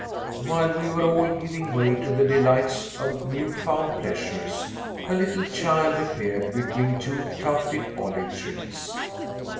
While we were all giving way to the delights of new found pleasures, a little child appeared between two tufted olive trees.